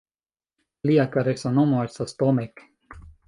Lia karesa nomo estas Tomek!